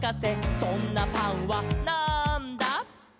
「そんなパンはなんだ？」